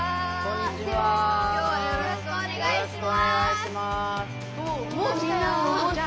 よろしくお願いします。